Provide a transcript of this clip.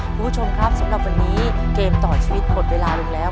คุณผู้ชมครับสำหรับวันนี้เกมต่อชีวิตหมดเวลาลงแล้ว